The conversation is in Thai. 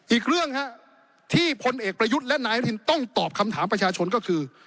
อีกเรื่องที่พลเอกประยุทธ์และนายอนุทินต้องตอบคำถามประชาชนก็คือ